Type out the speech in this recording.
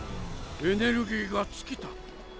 エネルギーが尽きた。